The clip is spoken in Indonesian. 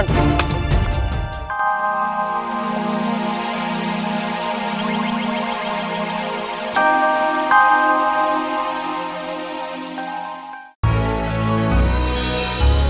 kita pakai motor ya bisa lah